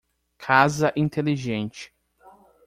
Casa inteligente.